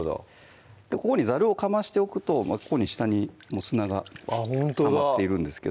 ここにざるをかましておくと下に砂がたまっているんですけど